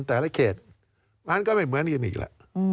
แต่ละเขตมันก็ไม่เหมือนกันอีกแหละ